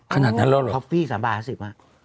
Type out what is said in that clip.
ขนาดนั้นแล้วหรือเปล่าท็อปฟี่๓บาท๕๐บาท